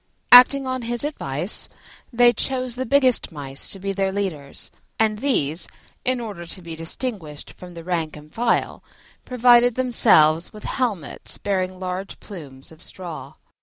Acting on his advice, they chose the biggest Mice to be their leaders, and these, in order to be distinguished from the rank and file, provided themselves with helmets bearing large plumes of straw.